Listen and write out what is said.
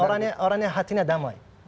karena saya ini orang yang hatinya damai